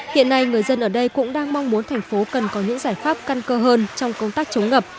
hiện nay người dân ở đây cũng đang mong muốn thành phố cần có những giải pháp căn cơ hơn trong công tác chống ngập